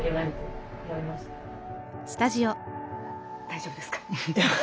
大丈夫ですか？